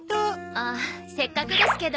ああせっかくですけど。